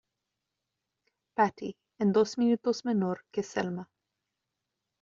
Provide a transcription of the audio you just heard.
Patty es dos minutos menor que Selma.